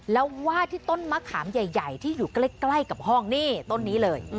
แล้ววาดที่ต้นมะขามใหญ่ที่อยู่ใกล้กับห้องนี่ต้นนี้เลย